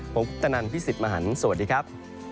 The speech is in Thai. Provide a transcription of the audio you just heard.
ผมคุปตนันพี่สิทธิ์มหันฯสวัสดีครับ